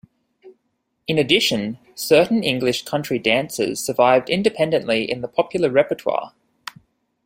In addition certain English country dances survived independently in the popular repertoire.